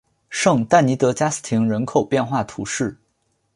圣但尼德加斯廷人口变化图示